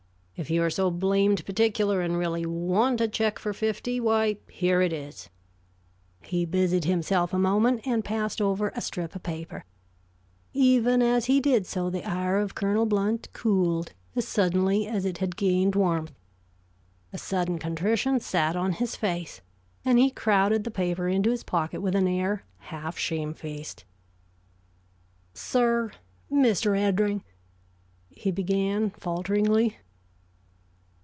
If you are so blamed particular and really want a check for fifty, why, here it is." He busied himself a moment, and passed over a strip of paper. Even as he did so, the ire of Colonel Blount cooled as suddenly as it had gained warmth. A sudden contrition sat on his face, and he crowded the paper into his pocket with an air half shamed faced. "Sir Mr. Eddring " he began, falteringly.